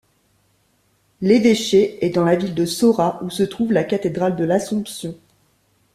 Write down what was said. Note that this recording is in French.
L'évêché est dans la ville de Sora où se trouve la cathédrale de l'Assomption.